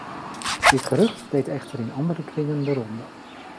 Dit gerucht deed echter in andere kringen de ronde.